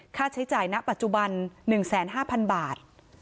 ค่าใช้จ่ายณปัจจุบัน๑๕๐๐๐บาท